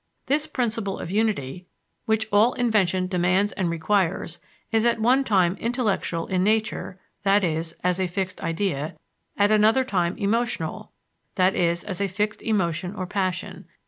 This principle of unity, which all invention demands and requires, is at one time intellectual in nature, i.e., as a fixed idea; at another time emotional, i.e., as a fixed emotion or passion.